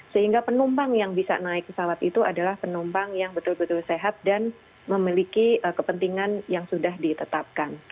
sehingga penumpang yang bisa naik pesawat itu adalah penumpang yang betul betul sehat dan memiliki kepentingan yang sudah ditetapkan